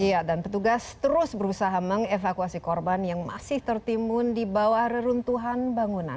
iya dan petugas terus berusaha mengevakuasi korban yang masih tertimbun di bawah reruntuhan bangunan